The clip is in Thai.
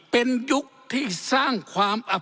เป็นยุคที่สร้างความปั่นปวด